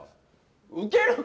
ウケるか？